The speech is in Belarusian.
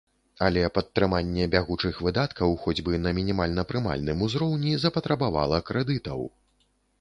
Але падтрыманне бягучых выдаткаў хоць бы на мінімальна прымальным узроўні запатрабавала крэдытаў.